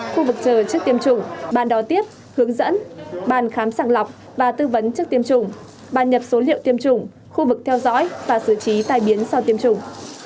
khu vực chờ trước tiêm chủng bàn đò tiếp hướng dẫn bàn khám sạc lọc và tư vấn trước tiêm chủng bàn nhập số liệu tiêm chủng khu vực theo dõi và xử trí tài biến sau tiêm chủng